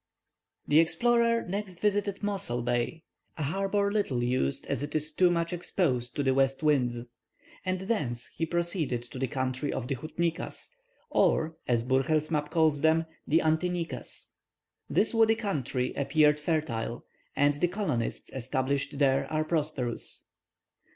The explorer next visited Mossel Bay, a harbour little used, as it is too much exposed to the west winds; and thence he proceeded to the country of the Houtniquas, or, as Burchell's map calls them, the Antiniquas. This woody country appeared fertile, and the colonists established there are prosperous.